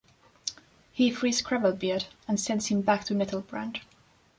He frees Gravelbeard and sends him back to Nettlebrand.